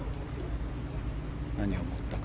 何を持ったか。